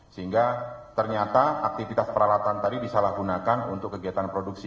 sehingga ternyata aktivitas peralatan tadi disalahgunakan untuk kegiatan produksi